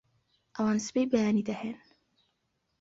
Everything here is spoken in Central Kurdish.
ئەوان سبەی بەیانی دەهێن